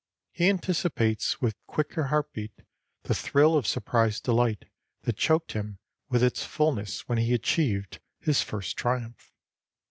He anticipates with quicker heartbeat the thrill of surprised delight that choked him with its fullness when he achieved his first triumph.